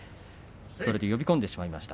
呼び込んでしまいました。